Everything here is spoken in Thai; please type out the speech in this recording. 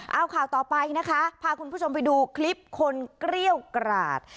เอาข่าวต่อไปนะคะพาคุณผู้ชมไปดูคลิปคนเกรี้ยวกราด